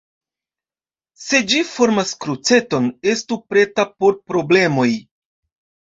Se ĝi formas kruceton, estu preta por problemoj.